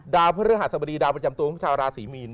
ดาวพิฤาหสสบดีดาวประจำตัวของชาวลาศรีมีน